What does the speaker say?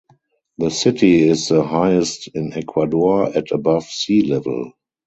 The city is the highest in Ecuador, at above sea level.